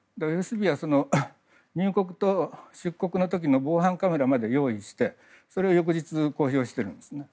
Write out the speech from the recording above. ＦＳＢは入国と出国の時の防犯カメラまで用意してそれを、翌日に公表しているんですね。